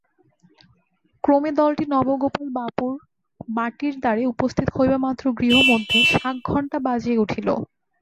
ক্রমে দলটি নবগোপাল বাবুর বাটীর দ্বারে উপস্থিত হইবামাত্র গৃহমধ্যে শাঁক ঘণ্টা বাজিয়া উঠিল।